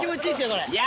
これ。